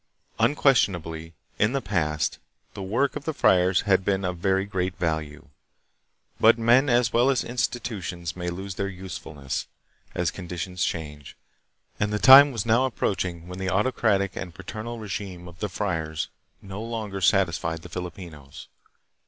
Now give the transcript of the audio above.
Unquestionably in the past, the work of the friars had been of very great value; but men as well as institutions may lose their usefulness, as conditions' change, and the time was now approaching when the autocratic and paternal regime of the friars no longer satisfied the Filipinos.